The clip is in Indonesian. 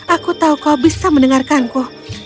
aku tahu kau bisa mendengarkanku